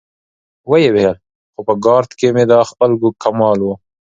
ويې ويل: خو په ګارد کې مې دا خپل کمال و.